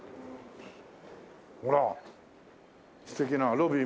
ほら素敵なロビー